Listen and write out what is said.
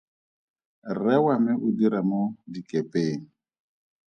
Rre wa me o dira mo dikepeng.